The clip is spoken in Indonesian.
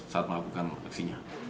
saat melakukan aksinya